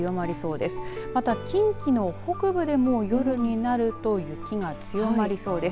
また近畿の北部でも夜になると雪が強まりそうです。